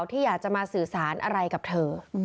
ที่อยากจะมาสื่อสารอะไรกับเธอ